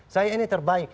saya ini terbaik